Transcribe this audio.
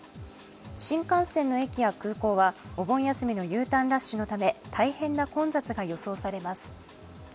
新幹線の駅や空港はお盆休みのＵターンラッシュのため大変な混雑が予想されます。